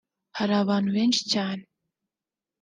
Hari abantu benshi cyane